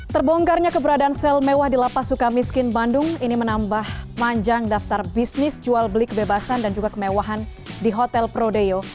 terbongkarnya keberadaan sel mewah di lapas suka miskin bandung ini menambah panjang daftar bisnis jual beli kebebasan dan juga kemewahan di hotel prodeo